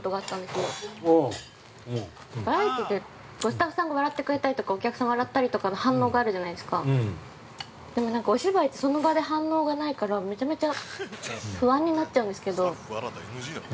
バラエティーって、スタッフさんが、笑ったりとか、お客様が笑ったりの反応があるじゃないですか、お芝居って、その場で反応がないから、不安になるんですけど。